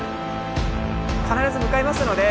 必ず向かいますので。